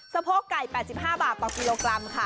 โพกไก่๘๕บาทต่อกิโลกรัมค่ะ